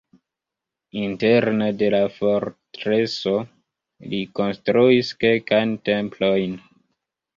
Interne de la fortreso li konstruis kelkajn templojn.